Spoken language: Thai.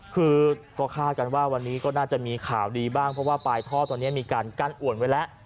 คือก็คาดกันว่าวันนี้ก็น่าจะมีข่าวดีบ้างเพราะว่าปลายท่อตอนนี้มีการกั้นอ่วนไว้แล้ว